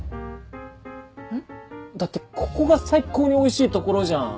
ん？だってここが最高においしい所じゃん！